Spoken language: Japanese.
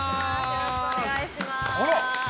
よろしくお願いします。